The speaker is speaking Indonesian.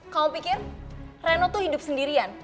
kau pikir reno tuh hidup sendirian